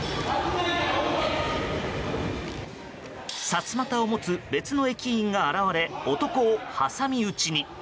さすまたを持つ別の駅員が現れ男を挟み撃ちに。